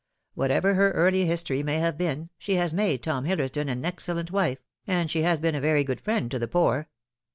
Whatever her early history may have been, she has made Tom Hillersdon an excellent wife, and she has been a very good friend to the poor.